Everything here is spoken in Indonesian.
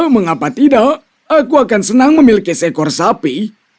mengapa tidak aku akan senang memiliki seekor sapi